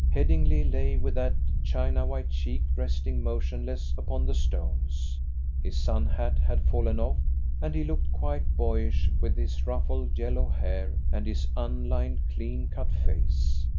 Headingly lay with that china white cheek resting motionless upon the stones. His sun hat had fallen off, and he looked quite boyish with his ruffled yellow hair and his un lined, clean cut face.